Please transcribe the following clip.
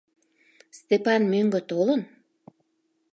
Степан мӧҥгӧ толын?